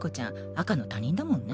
赤の他人だもんね。